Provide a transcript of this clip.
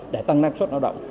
để tăng năng suất lao động